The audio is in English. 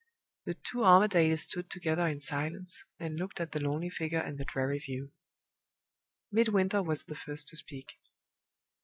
The two Armadales stood together in silence, and looked at the lonely figure and the dreary view. Midwinter was the first to speak.